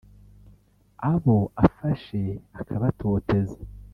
abo afashe akabatoteza